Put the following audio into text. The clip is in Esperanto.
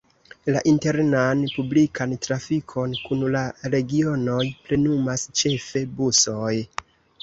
La internan publikan trafikon kun la regionoj plenumas ĉefe busoj.